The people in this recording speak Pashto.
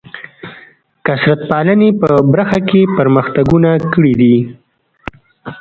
کثرت پالنې په برخه کې پرمختګونه کړي دي.